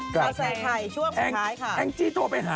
ก๊ายไซค์ช่วงสุดท้ายค่ะ